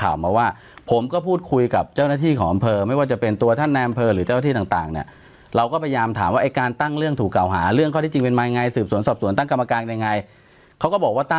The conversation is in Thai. แล้วย่างจริงไหมย่างจริงค่ะแล้วย่างแล้วได้ครบนะครบค่ะครบมา